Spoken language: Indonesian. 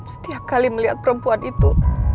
setiap kali melihat perempuan itu